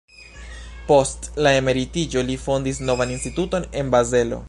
Post la emeritiĝo li fondis novan instituton en Bazelo.